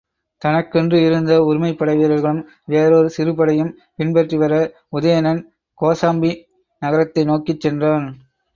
தனக்கென்று இருந்த உரிமைப் படைவீரர்களும் வேறோர் சிறு படையும் பின்பற்றிவர, உதயணன் கோசாம்பி நகரத்தை நோக்கிச் சென்றான்.